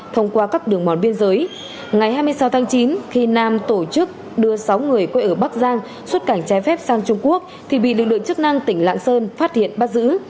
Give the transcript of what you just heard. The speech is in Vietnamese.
thông qua các đường mòn biên giới ngày hai mươi sáu tháng chín khi nam tổ chức đưa sáu người quê ở bắc giang xuất cảnh trái phép sang trung quốc thì bị lực lượng chức năng tỉnh lạng sơn phát hiện bắt giữ